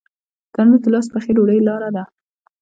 تنور د لاس پخې ډوډۍ لاره ده